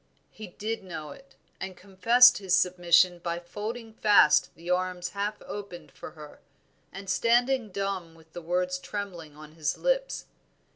He did know it, and confessed his submission by folding fast the arms half opened for her, and standing dumb with the words trembling on his lips.